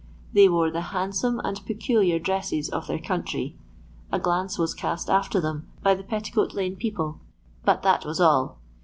They wore the handsome nd peculiar dresses of their country. A glance iras cast after them by the Petticoat lane people. but that was all.